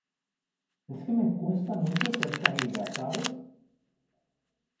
es que me cuesta mucho ser su amiga, ¿ sabes?